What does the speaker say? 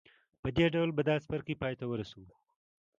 په دې ډول به دا څپرکی پای ته ورسوو